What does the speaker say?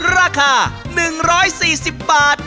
ราคา๑๔๐บาท